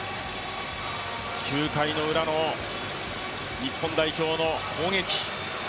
９回のウラの日本代表の攻撃。